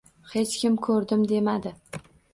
Hech kim ko‘rdim demadi.